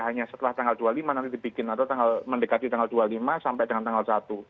hanya setelah tanggal dua puluh lima nanti dibikin atau mendekati tanggal dua puluh lima sampai dengan tanggal satu